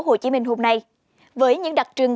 hồ chí minh hôm nay với những đặc trưng